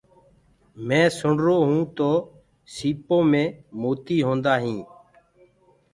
مينٚ سُڻرو هونٚ تو سيٚپو مي موتي هوندآ هينٚ۔